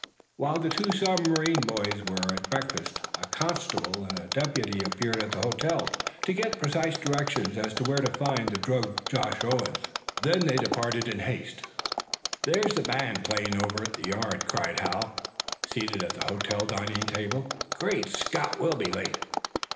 While the two submarine boys were at breakfast a constable and a deputy appeared at the hotel, to get precise directions as to where to find the drugged Joshua Owen. Then they departed in haste. "There's the band playing over at the yard!" cried Hal, seated at the hotel dining table. "Great Scott! We'll be late."